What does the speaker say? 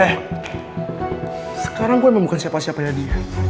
eh sekarang gue emang bukan siapa siapanya dia